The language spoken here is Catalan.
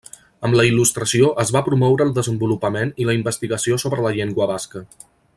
Amb la Il·lustració es va promoure el desenvolupament i la investigació sobre la llengua basca.